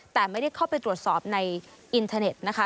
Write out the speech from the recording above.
แต่ไม่ได้เข้าไปตรวจสอบในอินเทอร์เน็ตนะคะ